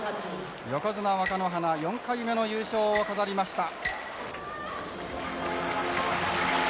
横綱、若乃花４回目の優勝を飾りました。